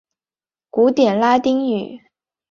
古典拉丁语。